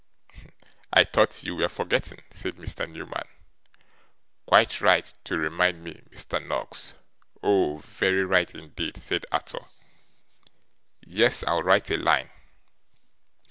'I thought you were forgetting,' said Newman. 'Quite right to remind me, Mr. Noggs. Oh, very right indeed,' said Arthur. 'Yes. I'll write a line.